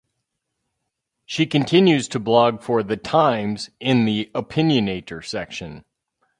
She continues to blog for "The Times" in the "Opinionator" section.